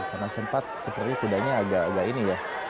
karena sempat sepertinya kudanya agak agak ini ya